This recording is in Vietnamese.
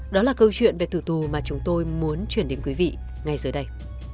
đó là câu chuyện về thử tù mà chúng tôi muốn chuyển đến quý vị ngay dưới đây